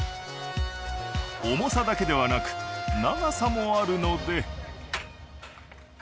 重さだけではなく長さもあるので。